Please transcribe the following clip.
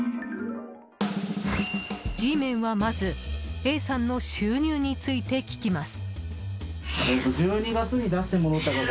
Ｇメンは、まずＡさんの収入について聞きます。